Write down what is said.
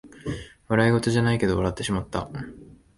笑いごとじゃないけど笑ってしまった